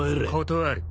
断る。